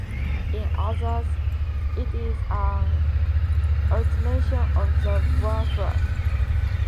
In others, it is an alteration of the war flag.